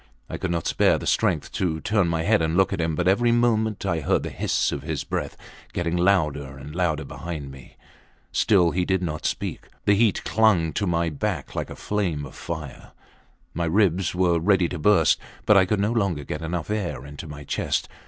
I could not spare the strength to turn my head and look at him, but every moment I heard the hiss of his breath getting louder behind me. Still he did not speak. The sun was high. The heat clung to my back like a flame of fire. My ribs were ready to burst, but I could no longer get enough air into my chest.